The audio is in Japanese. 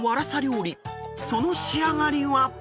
［その仕上がりは］